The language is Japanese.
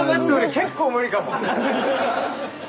結構無理かも！